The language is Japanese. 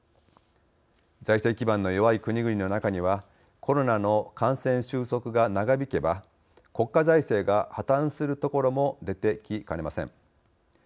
財政基盤の弱い国々の中にはコロナの感染収束が長引けば国家財政が破綻する所も出てきかねません。